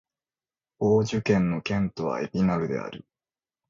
ヴォージュ県の県都はエピナルである